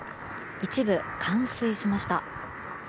一部、冠水しました。